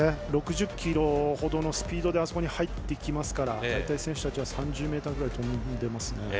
６０キロのスピードであそこに入っていきますから選手たちは３０ｍくらいとんでますね。